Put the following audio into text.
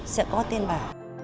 sẽ có tên bà